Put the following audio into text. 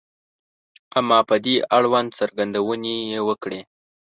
• اما په دې اړوند څرګندونې یې وکړې.